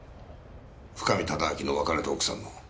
深見忠明の別れた奥さんの。